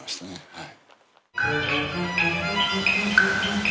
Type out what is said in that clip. はい。